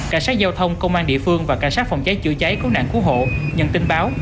cảnh sát giao thông công an địa phương và cảnh sát phòng cháy chữa cháy cứu nạn cứu hộ nhận tin báo